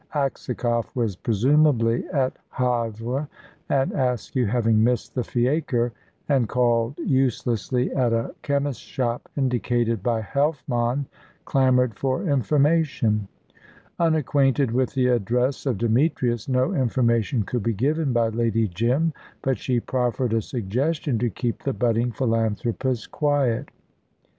Aksakoff was presumably at Havre, and Askew, having missed the fiacre, and called uselessly at a chemist's shop indicated by Helfmann, clamoured for information. Unacquainted with the address of Demetrius, no information could be given by Lady Jim; but she proffered a suggestion to keep the budding philanthropist quiet.